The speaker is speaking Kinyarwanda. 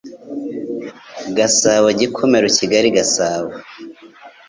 Gasabo Gikomero Kigali Gasabo